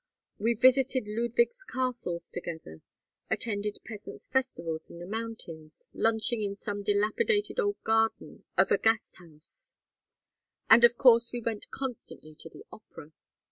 We visited Ludwig's castles together, attended peasants' festivals in the mountains, lunching in some dilapidated old garden of a Gasthaus. And of course we went constantly to the opera.